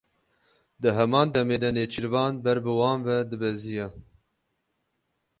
Di heman demê de nêçîrvan ber bi wan ve dibeziya.